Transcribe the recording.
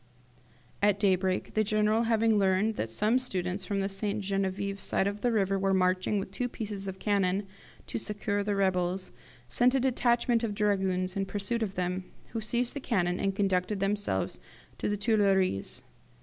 "At daybreak, the General having learned that some students from the St. Genevieve side of the river were marching with two pieces of cannon to succour the rebels, sent a detachment of dragoons in pursuit of them, who seized the cannon and conducted them to the Tuilleries.